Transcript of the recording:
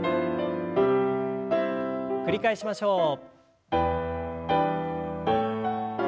繰り返しましょう。